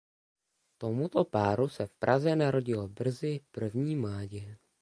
Tomuto páru se v Praze narodilo brzy první mládě.